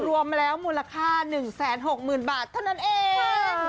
รวมแล้วมูลค่า๑๖๐๐๐บาทเท่านั้นเอง